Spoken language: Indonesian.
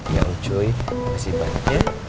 ya encuy kasih banyak ya